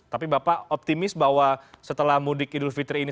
tapi bapak optimis bahwa setelah mudik idul fitri ini